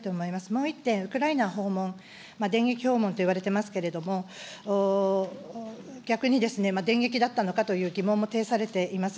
もう一点、ウクライナ訪問、電撃訪問といわれていますけれども、逆に、電撃だったのかという疑問も呈されています。